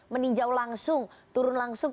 meninjau langsung turun langsung